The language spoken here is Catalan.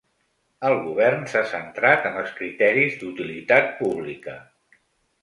El govern s’ha centrat en els criteris d’utilitat pública.